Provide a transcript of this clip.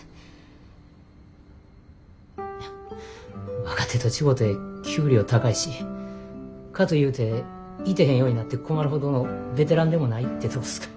若手と違て給料高いしかというていてへんようになって困るほどのベテランでもないてとこですか。